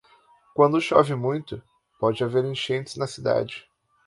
Quando chove muito, pode haver enchentes na cidade.